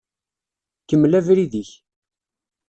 Kemmel abrid-ik.